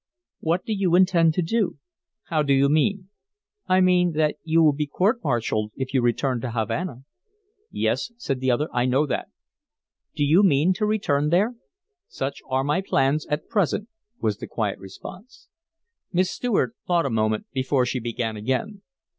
"What do you intend to do?" "How do you mean?" "I mean that you will be court martialed if you return to Havana " "Yes," said the other, "I know that." "Do you mean to return there?" "Such are my plans at present," was the quiet response. Miss Stuart thought a moment before she began again.